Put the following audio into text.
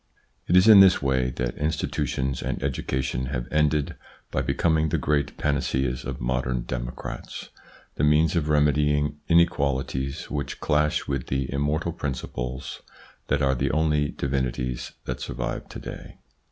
It is in this way that institutions and education have ended by becoming the great panaceas of modern democrats, the means of reme dying inequalities which clash with the immortal principles that are the only divinities that survive to day.